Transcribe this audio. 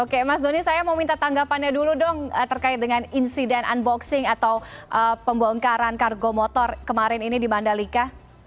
oke mas doni saya mau minta tanggapannya dulu dong terkait dengan insiden unboxing atau pembongkaran kargo motor kemarin ini di mandalika